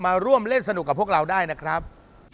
มาร่วมเล่นสนุกกับพวกเราได้นะครับ